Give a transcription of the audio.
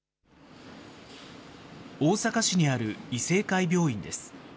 大阪市にある医誠会病院です。